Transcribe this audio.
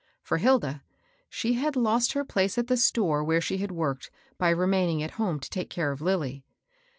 For Hilda, she had lost her place at the store where she had worked by remaining at home to take care of Lilly.